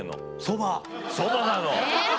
そばなの。